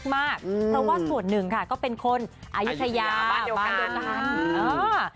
เพราะว่าส่วนหนึ่งค่ะก็เป็นคนอายุทยาบ้านเดียวกันเออ